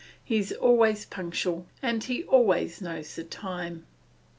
He is always punctual, and he always knows the time.